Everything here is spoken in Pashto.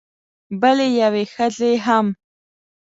بلې یوې ښځې هم